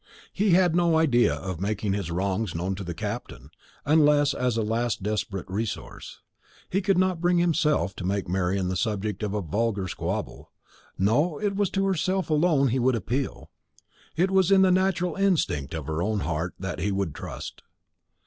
He had no idea of making his wrongs known to the captain, unless as a last desperate resource. He could not bring himself to make Marian the subject of a vulgar squabble. No, it was to herself alone he would appeal; it was in the natural instinct of her own heart that he would trust.